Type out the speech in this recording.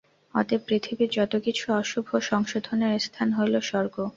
অতএব পৃথিবীর যত কিছু অশুভ সংশোধনের স্থান হইল স্বর্গ।